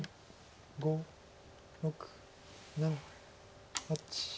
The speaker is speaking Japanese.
５６７８。